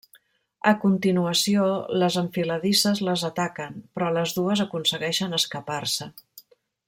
A continuació les enfiladisses les ataquen, però les dues aconsegueixen escapar-se.